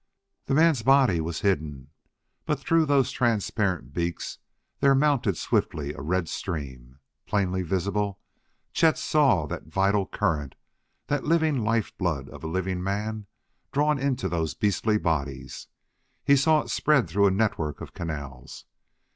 The man's body was hidden, but through those transparent beaks there mounted swiftly a red stream. Plainly visible, Chet saw that vital current the living life blood of a living man drawn into those beastly bodies; he saw it spread through a network of canals!